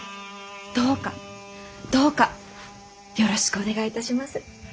どうかどうかよろしくお願いいたします。